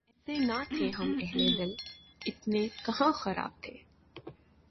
ایسے نہ تھے ہم اہلِ دل ، اتنے کہاں خراب تھے